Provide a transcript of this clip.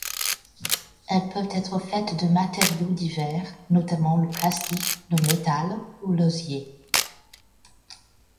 Elles peuvent être faites de matériaux divers, notamment le plastique, le métal ou l'osier.